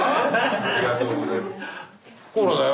ありがとうございます。